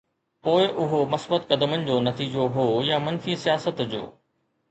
پوءِ اهو مثبت قدمن جو نتيجو هو يا منفي سياست جو؟